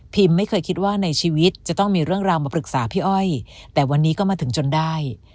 ไม่เคยคิดว่าในชีวิตจะต้องมีเรื่องราวมาปรึกษาพี่อ้อยแต่วันนี้ก็มาถึงจนได้